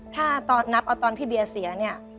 ถ้านับเอาตอนพี่เบียร์เสียเนี่ย